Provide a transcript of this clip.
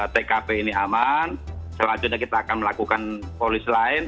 tkp ini aman selanjutnya kita akan melakukan polis lain